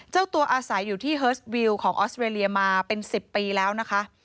เจ้าตัวอาศัยอยู่ที่เฮิร์สวิวของออสเวรียมาเป็น๑๐ปีแล้วนะคะ